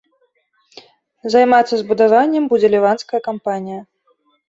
Займацца збудаваннем будзе ліванская кампанія.